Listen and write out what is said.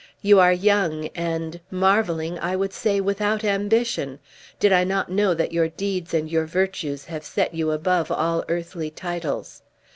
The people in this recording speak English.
You are young and, marveling, I would say without ambition, did I not know that your deeds and your virtues have set you above all earthly titles.